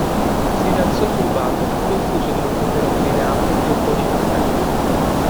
Si rialzò turbato, confuso di non poter offrire altro che un po' di caffè.